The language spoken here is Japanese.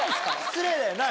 失礼だよな